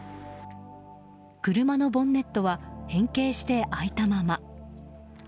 車のボンネットは変形して開いたまま。